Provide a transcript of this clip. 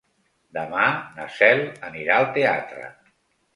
Demà na Cel anirà al teatre.